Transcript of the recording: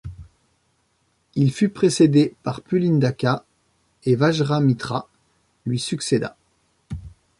Il fut précédé par Pulindaka et Vajramitra lui succéda.